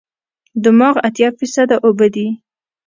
دماغ اتیا فیصده اوبه دي.